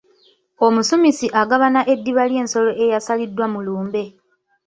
Omusumisi agabana eddiba ly'ensolo eyasaliddwa mu lumbe.